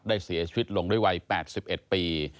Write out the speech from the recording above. เสียชีวิตลงด้วยวัย๘๑ปี